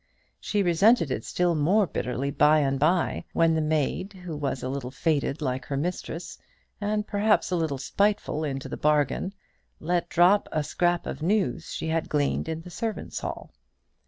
She resented it still more bitterly by and by, when the maid, who was a little faded like her mistress, and perhaps a little spiteful into the bargain, let drop a scrap of news she had gleaned in the servants' hall.